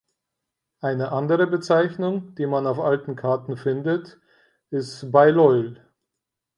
Eine andere Bezeichnung, die man auf alten Karten findet, ist Bailleul.